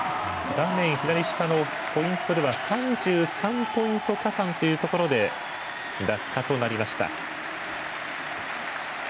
画面左下のポイントでは３３ポイント加算というところで落下となりました。